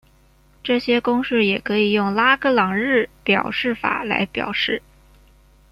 这些公式也可以用拉格朗日表示法来表示。